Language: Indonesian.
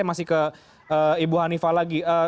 saya masih ke ibu hanifah lagi